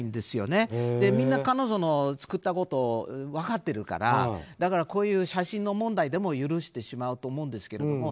みんな彼女の作ったことを分かってるからこういう写真の問題でも許してしまうと思うんですけど。